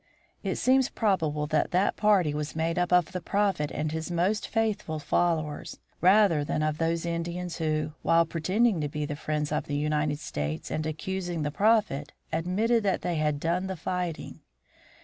It seems probable that that party was made up of the Prophet and his most faithful followers, rather than of those Indians who, while pretending to be the friends of the United States and accusing the Prophet, admitted that they had done the fighting.